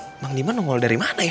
wah emang diman nongol dari mana ya